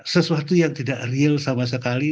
sesuatu yang tidak real sama sekali